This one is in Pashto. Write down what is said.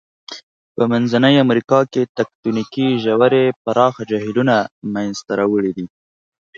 په منځنۍ امریکا کې تکتونیکي ژورې پراخه جهیلونه منځته راوړي دي.